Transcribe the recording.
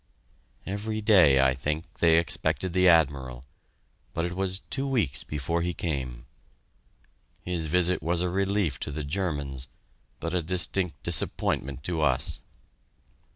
Every day, I think, they expected the Admiral, but it was two weeks before he came. His visit was a relief to the Germans, but a distinct disappointment to us.